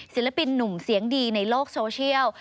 ศิลปินหนุ่มเสียงดีในโลกโซเชียล